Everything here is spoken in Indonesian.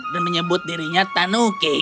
dan menyebut dirinya tanuki